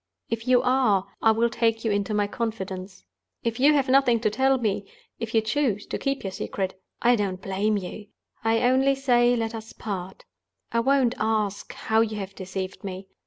If you are, I will take you into my confidence. If you have nothing to tell me—if you choose to keep your secret—I don't blame you; I only say, Let us part. I won't ask how you have deceived me.